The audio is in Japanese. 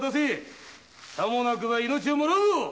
さもなくば命をもらうぞ！